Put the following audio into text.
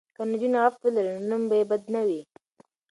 که نجونې عفت ولري نو نوم به یې بد نه وي.